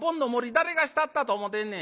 誰がしたったと思てんねん。